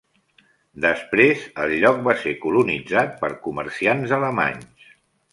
Després el lloc va ser colonitzat per comerciants alemanys.